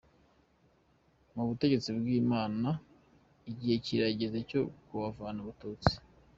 Mu butegetsi bw’ibwami igihe kirageze cyo kuhavana Abatutsi.